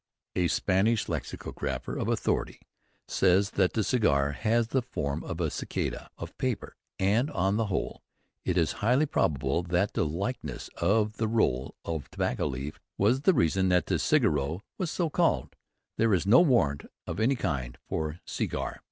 A Spanish lexicographer of authority says that the cigar has the form of a "cicada" of paper, and, on the whole, it is highly probable that the likeness of the roll of tobacco leaf to the cylindrical body of the insect (cigarra) was the reason that the "cigarro" was so called. There is no warrant of any kind for "segar."